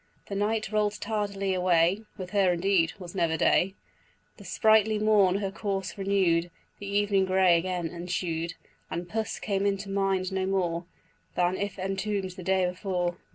The night roll'd tardily away, (With her indeed 'twas never day,) The sprightly morn her course renew'd, The evening grey again ensued, And puss came into mind no more Than if entomb'd the day before.